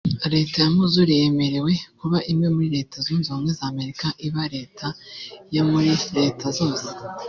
Leta ya Missouri yemerewe kuba imwe muri Leta zunze ubumwe za Amerika iba leta ya muri leta zose